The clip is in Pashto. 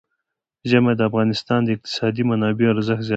ژمی د افغانستان د اقتصادي منابعو ارزښت زیاتوي.